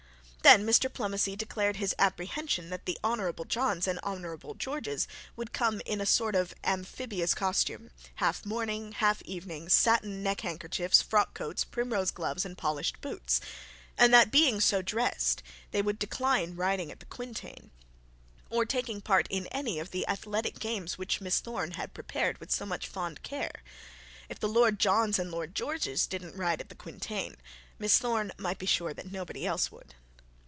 Then Mr Plomacy declared his apprehension that the Honourable Johns and Honourable Georges would come in a sort of amphibious costume, half morning half evening, satin neckhandkerchiefs, frock coats, primrose gloves, and polished boots; and that being so dressed, they would decline riding at the quintain, or taking part in any of the athletic games which Miss Thorne had prepared with so much care. If the Lord Johns and Lord Georges didn't ride at the quintain, Miss Thorne might be sure that nobody else would.